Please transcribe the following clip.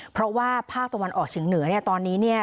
เพราะว่าภาคตะวันออกเฉียงเหนือเนี่ยตอนนี้เนี่ย